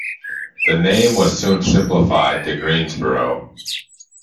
The name was soon simplified to "Greensboro".